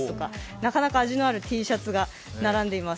なかなか味のあるＴシャツが並んでいます。